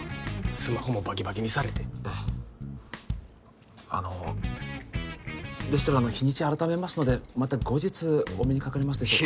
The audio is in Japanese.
スマホもバキバキにされてあっあのでしたら日にち改めますのでまた後日お目にかかれますでしょうか